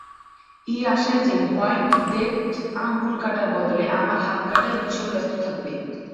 এই আশায় যে হোয়াইট ডেথ আঙুল কাটার বদলে আমাদের হাত কাটায় ভীষণ ব্যস্ত থাকবে।